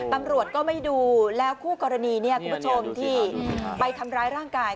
ตำรวจก็ไม่ดูแล้วคู่กรณีเนี่ยคุณผู้ชมที่ไปทำร้ายร่างกาย